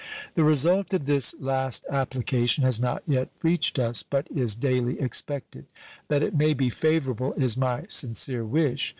The result of this last application has not yet reached us, but is daily expected. That it may be favorable is my sincere wish.